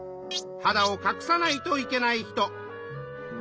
はだをかくさないといけない人。